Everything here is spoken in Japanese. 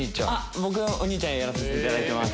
僕お兄ちゃんやらせていただいてます。